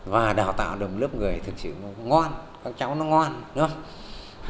và đào tạo được một lớp người thực sự ngon các cháu nó ngon đúng không